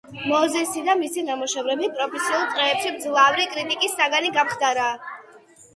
მოზესი და მისი ნამუშევრები პროფესიულ წრეებში მძლავრი კრიტიკის საგანი გამხდარა.